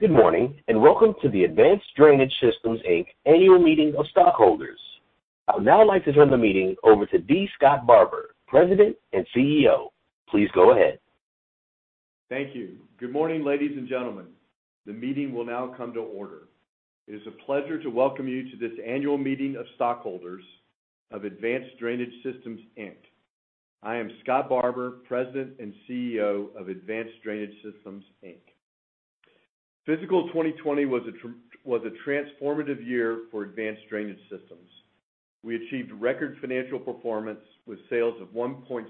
Good morning, and welcome to the Advanced Drainage Systems, Inc. Annual Meeting of Stockholders. I would now like to turn the meeting over to D. Scott Barbour, President and CEO. Please go ahead. Thank you. Good morning, ladies and gentlemen. The meeting will now come to order. It is a pleasure to welcome you to this annual meeting of stockholders of Advanced Drainage Systems, Inc. I am Scott Barbour, President and CEO of Advanced Drainage Systems, Inc. Fiscal 2020 was a transformative year for Advanced Drainage Systems. We achieved record financial performance with sales of $1.67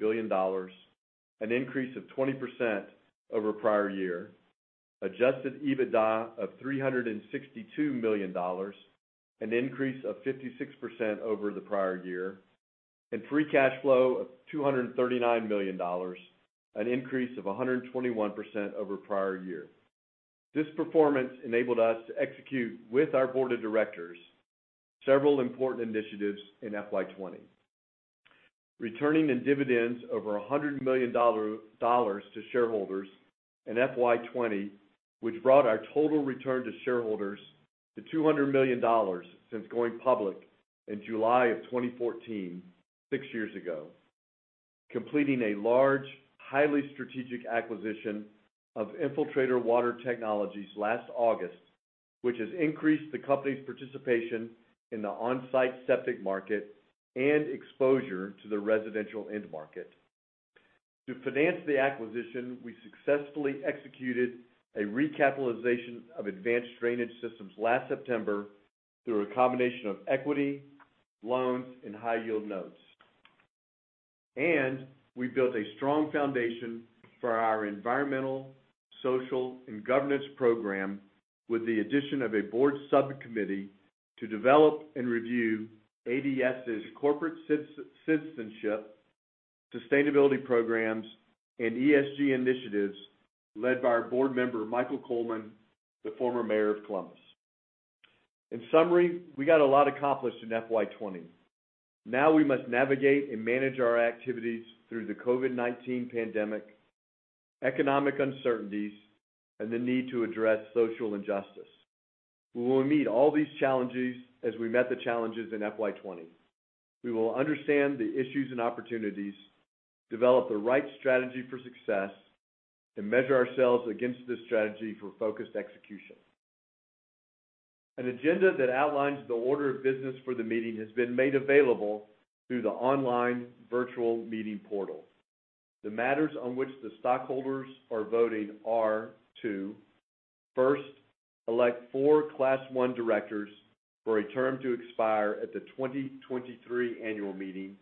billion, an increase of 20% over prior year, adjusted EBITDA of $362 million, an increase of 56% over the prior year, and free cash flow of $239 million, an increase of 121% over prior year. This performance enabled us to execute, with our board of directors, several important initiatives in FY 2020. Returning $100 million in dividends to shareholders in FY twenty, which brought our total return to shareholders to $200 million since going public in July of 2014, six years ago. Completing a large, highly strategic acquisition of Infiltrator Water Technologies last August, which has increased the company's participation in the on-site septic market and exposure to the residential end market. To finance the acquisition, we successfully executed a recapitalization of Advanced Drainage Systems last September, through a combination of equity, loans, and high-yield notes. And we built a strong foundation for our environmental, social, and governance program, with the addition of a board subcommittee to develop and review ADS's corporate citizenship, sustainability programs, and ESG initiatives, led by our board member, Michael Coleman, the former mayor of Columbus. In summary, we got a lot accomplished in FY twenty. Now we must navigate and manage our activities through the COVID-19 pandemic, economic uncertainties, and the need to address social injustice. We will meet all these challenges as we met the challenges in FY twenty. We will understand the issues and opportunities, develop the right strategy for success, and measure ourselves against this strategy for focused execution. An agenda that outlines the order of business for the meeting has been made available through the online virtual meeting portal. The matters on which the stockholders are voting are to first, elect four Class I directors for a term to expire at the 2023 annual meeting,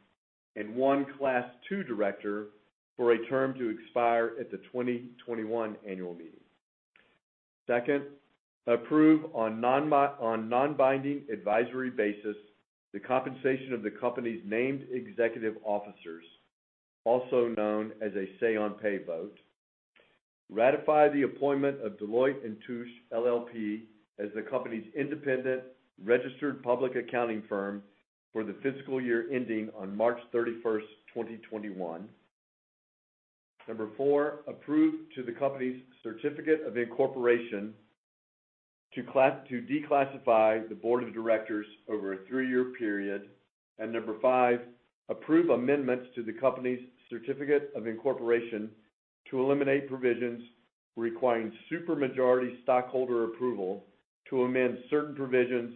and one Class II director for a term to expire at the 2021 annual meeting. Second, approve on a non-binding advisory basis, the compensation of the company's named executive officers, also known as a say on pay vote. Ratify the appointment of Deloitte & Touche LLP as the company's independent registered public accounting firm for the fiscal year ending on March thirty-first, twenty twenty-one. Number four, approve amendments to the company's Certificate of Incorporation to declassify the board of directors over a three-year period. And number five, approve amendments to the company's Certificate of Incorporation to eliminate provisions requiring super majority stockholder approval to amend certain provisions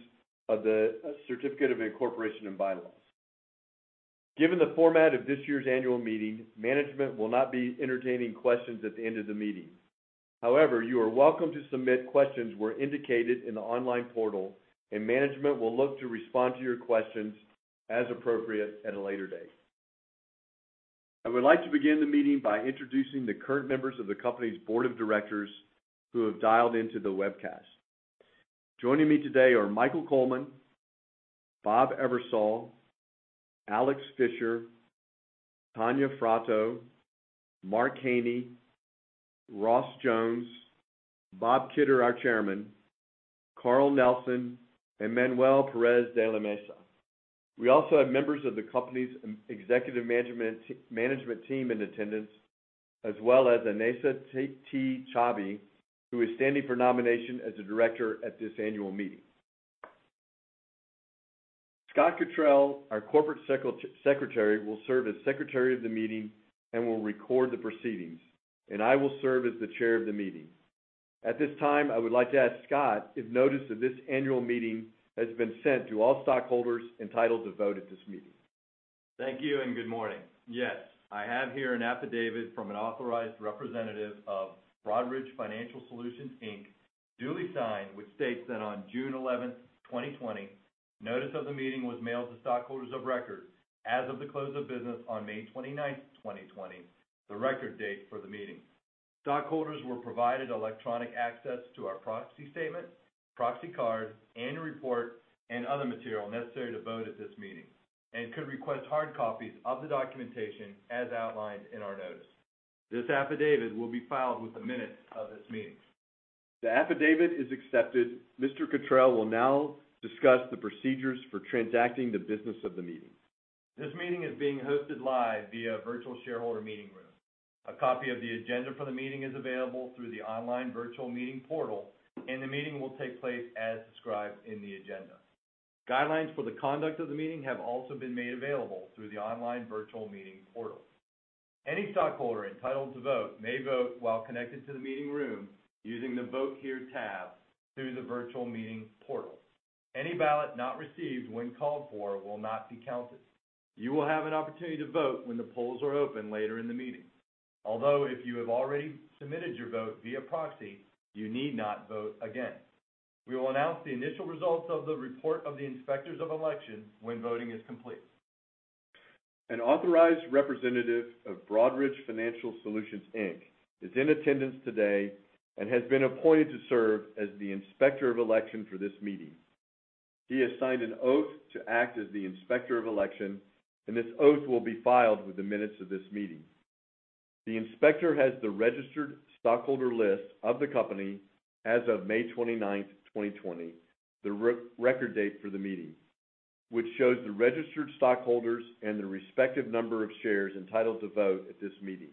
of the Certificate of Incorporation and Bylaws. Given the format of this year's annual meeting, management will not be entertaining questions at the end of the meeting. However, you are welcome to submit questions where indicated in the online portal, and management will look to respond to your questions as appropriate at a later date. I would like to begin the meeting by introducing the current members of the company's board of directors who have dialed into the webcast. Joining me today are Michael Coleman, Bob Eversole, Alex Fischer, Tanya Fratto, Mark Haney, Ross Jones, Bob Kidder, our chairman, Carl Nelson, and Manuel Perez de la Mesa. We also have members of the company's executive management team in attendance, as well as Anesa T. Chaibi, who is standing for nomination as a director at this annual meeting. Scott Cottrill, our Corporate Secretary, will serve as Secretary of the meeting and will record the proceedings, and I will serve as the Chair of the meeting. At this time, I would like to ask Scott if notice of this annual meeting has been sent to all stockholders entitled to vote at this meeting. Thank you, and good morning. Yes, I have here an affidavit from an authorized representative of Broadridge Financial Solutions, Inc., duly signed, which states that on June eleventh, twenty twenty, notice of the meeting was mailed to stockholders of record as of the close of business on May twenty-ninth, twenty twenty, the record date for the meeting. Stockholders were provided electronic access to our proxy statement, proxy card, annual report, and other material necessary to vote at this meeting, and could request hard copies of the documentation as outlined in our notice. This affidavit will be filed with the minutes of this meeting. The affidavit is accepted. Mr. Cottrill will now discuss the procedures for transacting the business of the meeting.... This meeting is being hosted live via virtual shareholder meeting room. A copy of the agenda for the meeting is available through the online virtual meeting portal, and the meeting will take place as described in the agenda. Guidelines for the conduct of the meeting have also been made available through the online virtual meeting portal. Any stockholder entitled to vote may vote while connected to the meeting room using the Vote Here tab through the virtual meeting portal. Any ballot not received when called for will not be counted. You will have an opportunity to vote when the polls are open later in the meeting. Although, if you have already submitted your vote via proxy, you need not vote again. We will announce the initial results of the report of the inspectors of election when voting is complete. An authorized representative of Broadridge Financial Solutions, Inc. is in attendance today and has been appointed to serve as the inspector of election for this meeting. He has signed an oath to act as the inspector of election, and this oath will be filed with the minutes of this meeting. The inspector has the registered stockholder list of the company as of May twenty-ninth, twenty twenty, the record date for the meeting, which shows the registered stockholders and the respective number of shares entitled to vote at this meeting.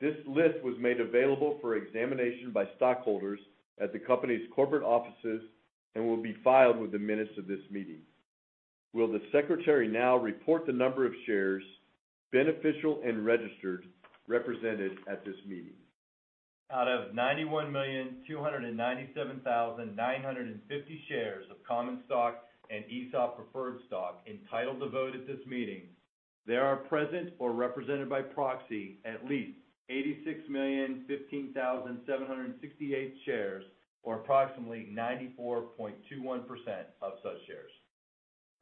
This list was made available for examination by stockholders at the company's corporate offices and will be filed with the minutes of this meeting. Will the secretary now report the number of shares, beneficial and registered, represented at this meeting? Out of ninety-one million, two hundred and ninety-seven thousand, nine hundred and fifty shares of common stock and ESOP preferred stock entitled to vote at this meeting, there are present or represented by proxy at least eighty-six million, fifteen thousand, seven hundred and sixty-eight shares, or approximately 94.21% of such shares.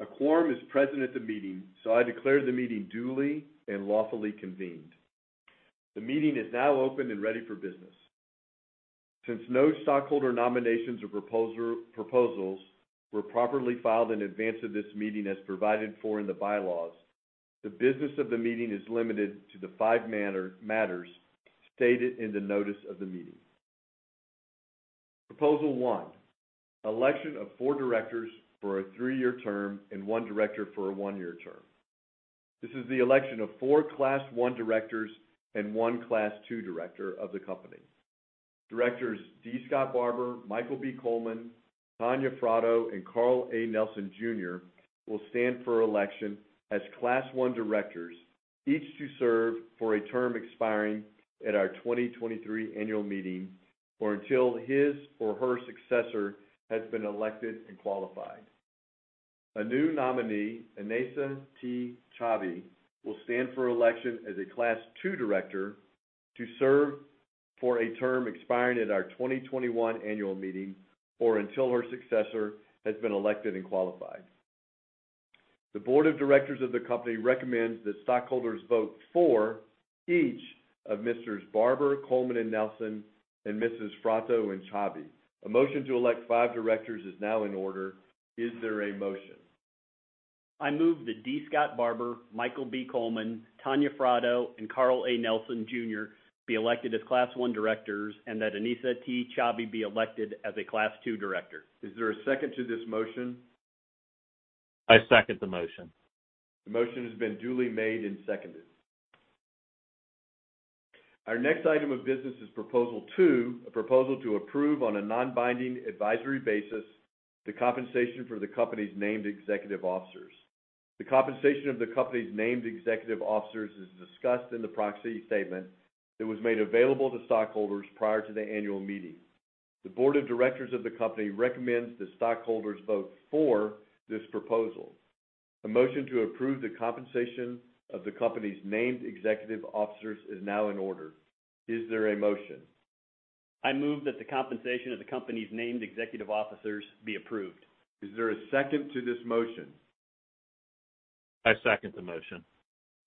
A quorum is present at the meeting, so I declare the meeting duly and lawfully convened. The meeting is now open and ready for business. Since no stockholder nominations or proposals were properly filed in advance of this meeting, as provided for in the bylaws, the business of the meeting is limited to the five matters stated in the notice of the meeting. Proposal one: Election of four directors for a three-year term and one director for a one-year term. This is the election of four Class I directors and one Class II director of the company. Directors D. Scott Barbour, Michael B. Coleman, Tanya Fratto, and Carl A. Nelson Jr. will stand for election as Class I directors, each to serve for a term expiring at our twenty twenty-three annual meeting or until his or her successor has been elected and qualified. A new nominee, Anesa T. Chaibi, will stand for election as a Class II director to serve for a term expiring at our twenty twenty-one annual meeting or until her successor has been elected and qualified. The board of directors of the company recommends that stockholders vote for each of Messrs. Barbour, Coleman, and Nelson, and Mss. Fratto and Chaibi. A motion to elect five directors is now in order. Is there a motion? I move that D. Scott Barbour, Michael B. Coleman, Tanya Fratto, and Carl A. Nelson Jr. be elected as Class I directors, and that Anesa T. Chaibi be elected as a Class II director. Is there a second to this motion? I second the motion. The motion has been duly made and seconded. Our next item of business is Proposal two, a proposal to approve on a non-binding advisory basis, the compensation for the company's named executive officers. The compensation of the company's named executive officers is discussed in the proxy statement that was made available to stockholders prior to the annual meeting. The board of directors of the company recommends that stockholders vote for this proposal. A motion to approve the compensation of the company's named executive officers is now in order. Is there a motion? I move that the compensation of the company's Named Executive Officers be approved. Is there a second to this motion? I second the motion.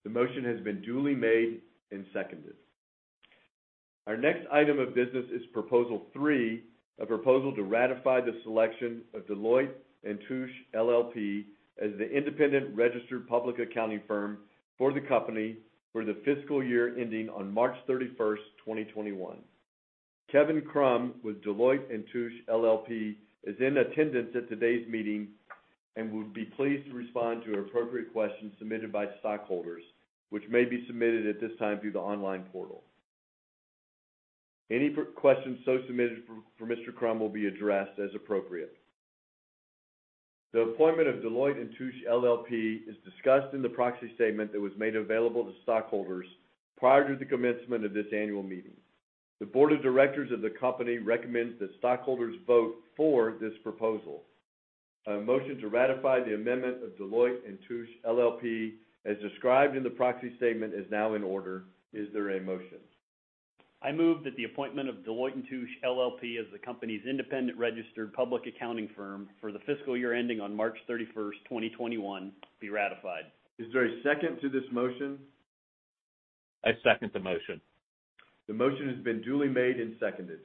The motion has been duly made and seconded. Our next item of business is Proposal three, a proposal to ratify the selection of Deloitte & Touche LLP as the independent registered public accounting firm for the company for the fiscal year ending on March thirty-first, twenty twenty-one. Kevin Crum with Deloitte & Touche LLP is in attendance at today's meeting and would be pleased to respond to appropriate questions submitted by stockholders, which may be submitted at this time through the online portal. Any questions so submitted for Mr. Crum will be addressed as appropriate. The appointment of Deloitte & Touche LLP is discussed in the proxy statement that was made available to stockholders prior to the commencement of this annual meeting. The board of directors of the company recommends that stockholders vote for this proposal. A motion to ratify the appointment of Deloitte & Touche LLP, as described in the proxy statement, is now in order. Is there a motion? I move that the appointment of Deloitte & Touche LLP as the company's independent registered public accounting firm for the fiscal year ending on March thirty-first, twenty twenty-one, be ratified. Is there a second to this motion? I second the motion. The motion has been duly made and seconded.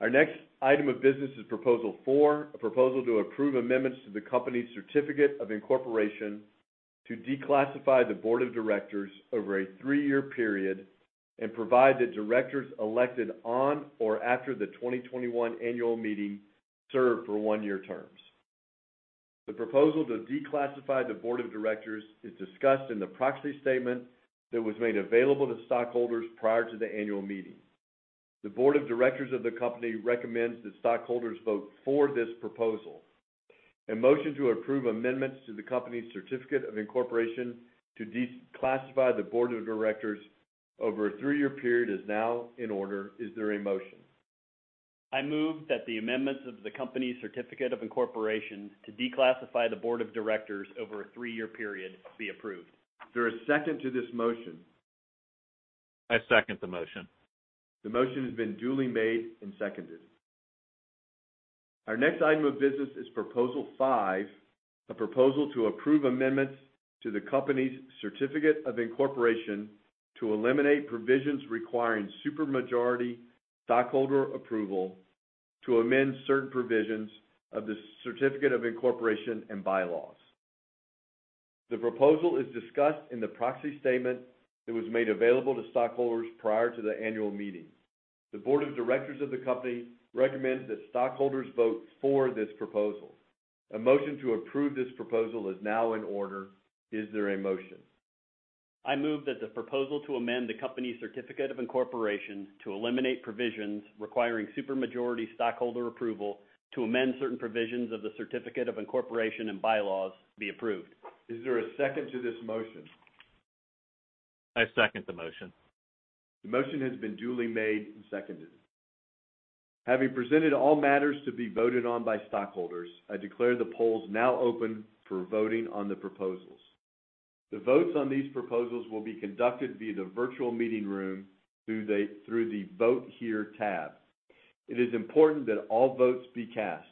Our next item of business is Proposal four, a proposal to approve amendments to the company's Certificate of Incorporation to declassify the board of directors over a three-year period and provide that directors elected on or after the twenty twenty-one annual meeting serve for one-year terms. The proposal to declassify the board of directors is discussed in the proxy statement that was made available to stockholders prior to the annual meeting. The board of directors of the company recommends that stockholders vote for this proposal. A motion to approve amendments to the company's Certificate of Incorporation to declassify the board of directors over a three-year period is now in order. Is there a motion? I move that the amendments of the company's Certificate of Incorporation to declassify the board of directors over a three-year period be approved. Is there a second to this motion? I second the motion. The motion has been duly made and seconded. Our next item of business is Proposal Five, a proposal to approve amendments to the company's Certificate of Incorporation, to eliminate provisions requiring super majority stockholder approval, to amend certain provisions of the Certificate of Incorporation and Bylaws. The proposal is discussed in the Proxy Statement that was made available to stockholders prior to the annual meeting. The board of directors of the company recommends that stockholders vote for this proposal. A motion to approve this proposal is now in order. Is there a motion? I move that the proposal to amend the company's certificate of incorporation, to eliminate provisions requiring super majority stockholder approval, to amend certain provisions of the certificate of incorporation and bylaws be approved. Is there a second to this motion? I second the motion. The motion has been duly made and seconded. Having presented all matters to be voted on by stockholders, I declare the polls now open for voting on the proposals. The votes on these proposals will be conducted via the virtual meeting room through the Vote Here tab. It is important that all votes be cast.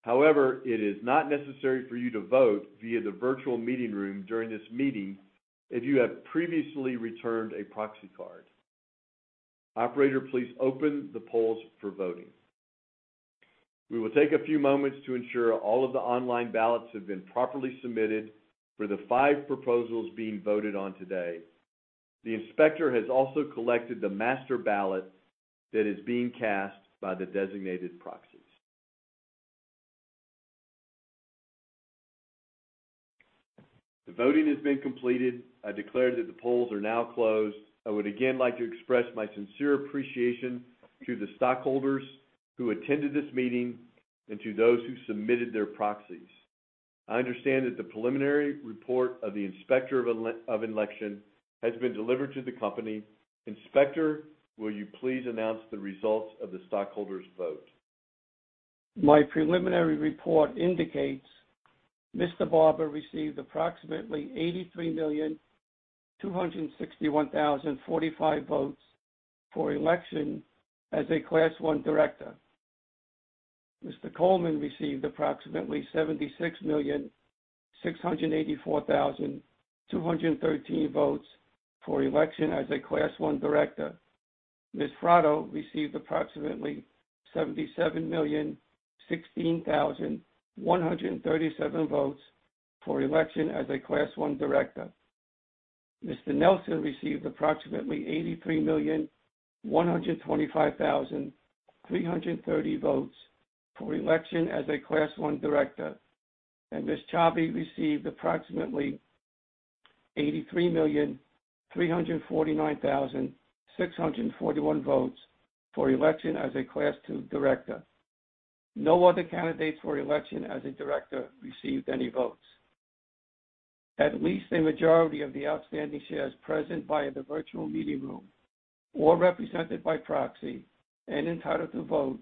However, it is not necessary for you to vote via the virtual meeting room during this meeting if you have previously returned a proxy card. Operator, please open the polls for voting. We will take a few moments to ensure all of the online ballots have been properly submitted for the five proposals being voted on today. The inspector has also collected the master ballot that is being cast by the designated proxies. The voting has been completed. I declare that the polls are now closed. I would again like to express my sincere appreciation to the stockholders who attended this meeting and to those who submitted their proxies. I understand that the preliminary report of the inspector of election has been delivered to the company. Inspector, will you please announce the results of the stockholders' vote? My preliminary report indicates Mr. Barbour received approximately eighty-three million, two hundred and sixty-one thousand, forty-five votes for election as a Class I director. Mr. Coleman received approximately seventy-six million, six hundred and eighty-four thousand, two hundred and thirteen votes for election as a Class I director. Ms. Fratto received approximately seventy-seven million, sixteen thousand, one hundred and thirty-seven votes for election as a Class I director. Mr. Nelson received approximately eighty-three million, one hundred and twenty-five thousand, three hundred and thirty votes for election as a Class I director, and Ms. Chaibi received approximately eighty-three million, three hundred and forty-nine thousand, six hundred and forty-one votes for election as a Class II director. No other candidates for election as a director received any votes. At least a majority of the outstanding shares present via the virtual meeting room or represented by proxy and entitled to vote,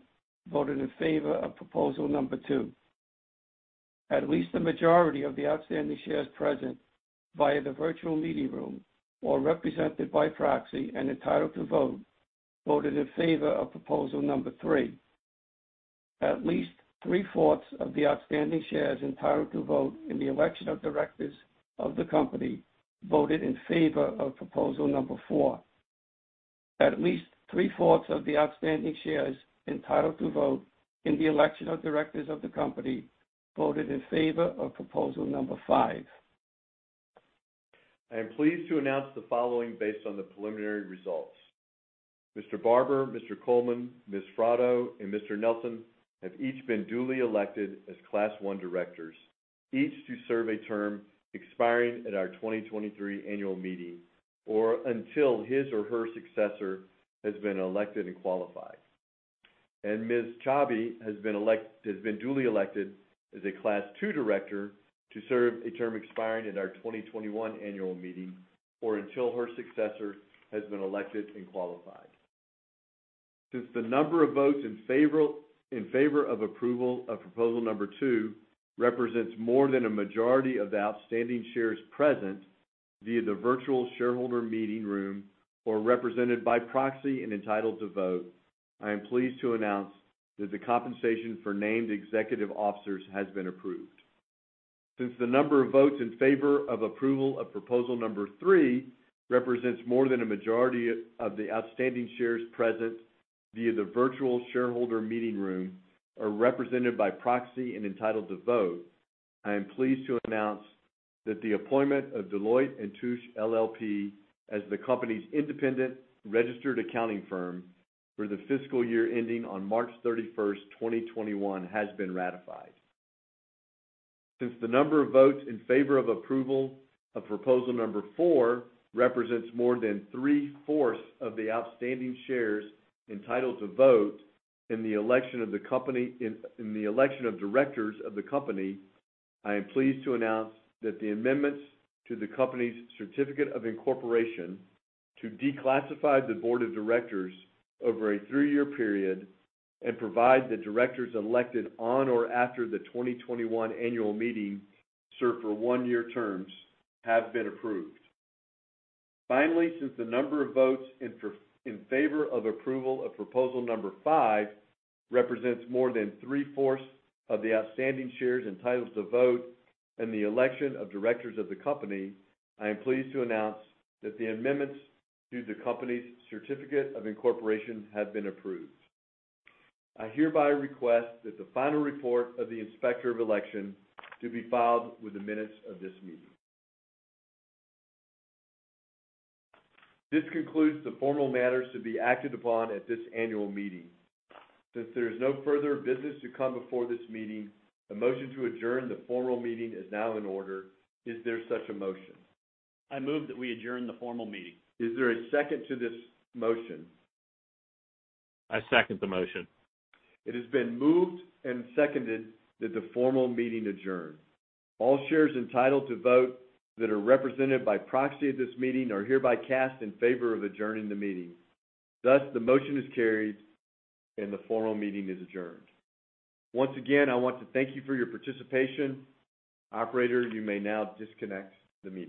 voted in favor of proposal number two. At least a majority of the outstanding shares present via the virtual meeting room or represented by proxy and entitled to vote, voted in favor of proposal number three. At least three-fourths of the outstanding shares entitled to vote in the election of directors of the company voted in favor of proposal number four. At least three-fourths of the outstanding shares entitled to vote in the election of directors of the company voted in favor of proposal number five. I am pleased to announce the following based on the preliminary results: Mr. Barbour, Mr. Coleman, Ms. Fratto, and Mr. Nelson have each been duly elected as Class I directors, each to serve a term expiring at our 2023 annual meeting, or until his or her successor has been elected and qualified, and Ms. Chaibi has been duly elected as a Class II director to serve a term expiring at our 2021 annual meeting, or until her successor has been elected and qualified. Since the number of votes in favor of approval of proposal number two represents more than a majority of the outstanding shares present via the virtual shareholder meeting room or represented by proxy and entitled to vote, I am pleased to announce that the compensation for named executive officers has been approved. Since the number of votes in favor of approval of proposal number three represents more than a majority of the outstanding shares present via the virtual shareholder meeting room are represented by proxy and entitled to vote, I am pleased to announce that the appointment of Deloitte & Touche LLP as the company's independent registered accounting firm for the fiscal year ending on March thirty-first, twenty twenty-one, has been ratified. Since the number of votes in favor of approval of proposal number four represents more than three-fourths of the outstanding shares entitled to vote in the election of the company, in the election of directors of the company, I am pleased to announce that the amendments to the company's certificate of incorporation to declassify the board of directors over a three-year period, and provide the directors elected on or after the twenty twenty-one annual meeting, serve for one-year terms, have been approved. Finally, since the number of votes in favor of approval of proposal number five represents more than three-fourths of the outstanding shares entitled to vote in the election of directors of the company, I am pleased to announce that the amendments to the company's certificate of incorporation have been approved. I hereby request that the final report of the Inspector of Election be filed with the minutes of this meeting. This concludes the formal matters to be acted upon at this annual meeting. Since there is no further business to come before this meeting, a motion to adjourn the formal meeting is now in order. Is there such a motion? I move that we adjourn the formal meeting. Is there a second to this motion? I second the motion. It has been moved and seconded that the formal meeting adjourn. All shares entitled to vote that are represented by proxy at this meeting are hereby cast in favor of adjourning the meeting. Thus, the motion is carried, and the formal meeting is adjourned. Once again, I want to thank you for your participation. Operator, you may now disconnect the meeting.